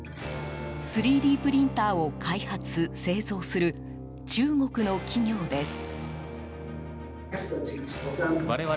３Ｄプリンターを開発・製造する中国の企業です。